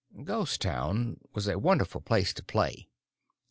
Ghost Town was a wonderful place to play.